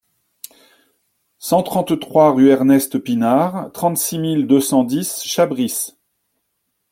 cent trente-trois rue Ernest Pinard, trente-six mille deux cent dix Chabris